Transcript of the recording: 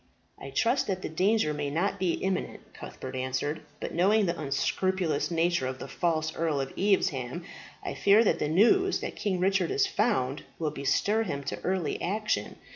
"I trust that the danger may not be imminent," Cuthbert answered. "But knowing the unscrupulous nature of the false Earl of Evesham, I fear that the news that King Richard is found will bestir him to early action.